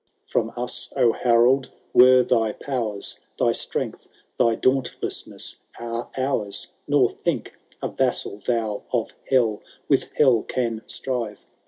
— From us, O Harold, were thy powers, — Thy strength, thy dauntlessness are ours ; Kgr think, a vassal thou of hell With hell can strive.